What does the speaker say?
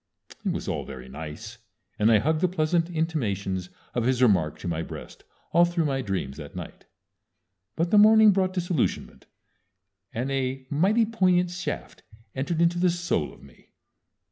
It was all very nice, and I hugged the pleasant intimations of his remark to my breast all through my dreams that night. But the morning brought disillusionment, and a mighty poignant shaft entered into the soul of me.